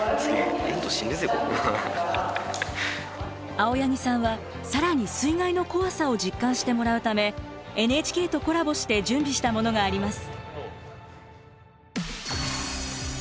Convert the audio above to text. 青柳さんは更に水害の怖さを実感してもらうためＮＨＫとコラボして準備したものがあります。